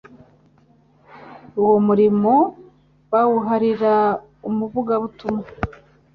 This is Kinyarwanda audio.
Uwo murimo bawuharira umuvugabutumwa.